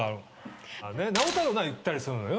直太朗なら行ったりするのよ。